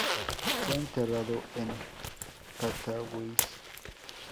Fue enterrado en Katowice.